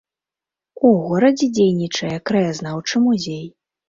У горадзе дзейнічае краязнаўчы музей.